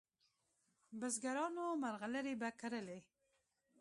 بزګرانو مرغلري په کرلې